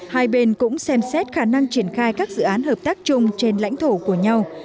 hai bên cũng xem xét khả năng triển khai các dự án hợp tác chung trên lãnh thổ của nhau